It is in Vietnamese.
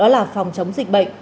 và mặt trận phòng chống dịch bệnh